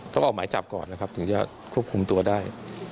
ออกหมายจับก่อนนะครับถึงจะควบคุมตัวได้